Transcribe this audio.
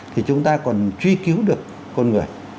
thì chúng ta còn truy cứu được con người